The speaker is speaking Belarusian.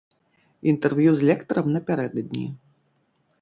Інтэрв'ю з лектарам напярэдадні.